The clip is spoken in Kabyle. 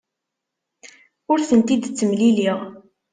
Ur tent-id-ttemlileɣ.